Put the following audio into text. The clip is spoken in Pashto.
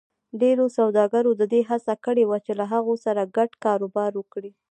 ډېرو سوداګرو د دې هڅه کړې وه چې له هغه سره ګډ کاروبار وکړي.